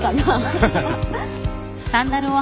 ハハハッ。